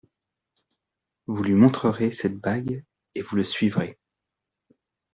Vous lui montrerez cette bague et vous le suivrez.